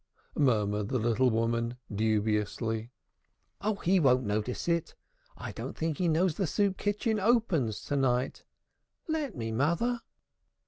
murmured the little woman dubiously. "Oh, he won't notice it. I don't think he knows the soup kitchen opens to night. Let me, mother."